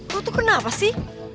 lo tuh kenapa sih